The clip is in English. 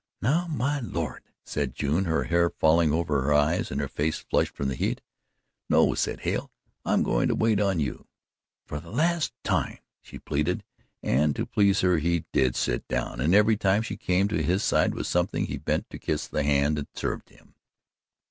"Now, my lord!" said June, her hair falling over her eyes and her face flushed from the heat. "No," said Hale. "I'm going to wait on you." "For the last time," she pleaded, and to please her he did sit down, and every time she came to his side with something he bent to kiss the hand that served him.